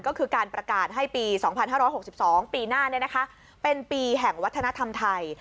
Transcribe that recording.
ก็คือการประกาศให้ปี๒๕๖๒ปีหน้าเป็นปีแห่งวัฒนธรรมไทย